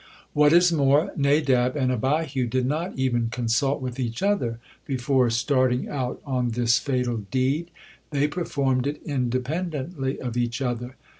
What is more, Nadab and Abihu did not even consult with each other before starting out on this fatal deed, they performed it independently of each other.